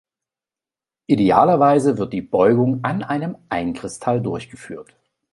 Idealerweise wird die Beugung an einem Einkristall durchgeführt.